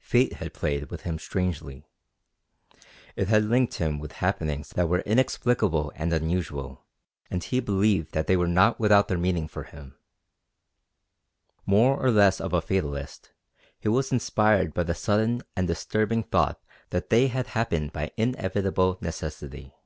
Fate had played with him strangely. It had linked him with happenings that were inexplicable and unusual, and he believed that they were not without their meaning for him. More or less of a fatalist, he was inspired by the sudden and disturbing thought that they had happened by inevitable necessity.